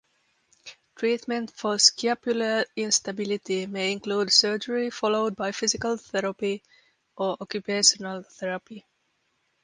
Treatment for scapular instability may include surgery followed by physical therapy or occupational therapy.